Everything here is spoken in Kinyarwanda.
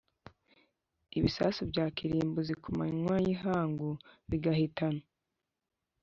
ibisasu bya kirimbuzi ku manywa y'ihangu bigahitana